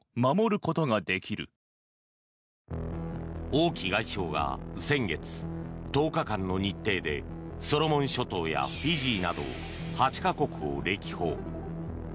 王毅外相が先月１０日間の日程でソロモン諸島やフィジーなど８か国を歴訪。